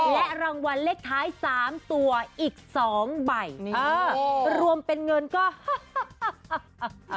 และรางวัลเลขท้าย๓ตัวอีก๒ใบรวมเป็นเงินก็